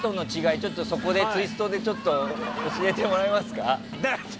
ちょっと、そこでツイストで教えてもらえますか？